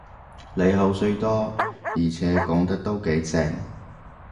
你口水多，而且講得都幾正